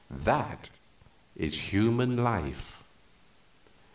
That is human life.